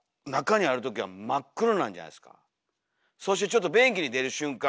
そしてちょっと便器に出る瞬間。